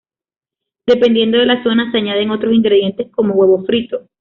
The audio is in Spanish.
Dependiendo de la zona se añaden otros ingredientes como huevo frito.